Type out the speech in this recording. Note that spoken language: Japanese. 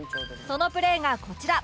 そのプレーがこちら